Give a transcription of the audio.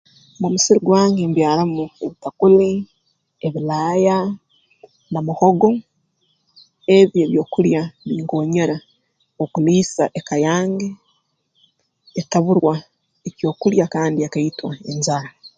Mu musiri gwange mbyaramu ebitakuli ebilaaya na muhogo ebyo ebyokulya binkoonyera okuliisa eka yange etaburwa ekyokulya kandi ekaitwa enjara